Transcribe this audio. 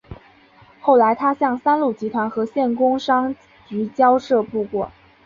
后来他向三鹿集团和县工商局交涉不果。